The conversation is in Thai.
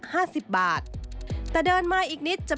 เป็นอย่างไรนั้นติดตามจากรายงานของคุณอัญชาฬีฟรีมั่วครับ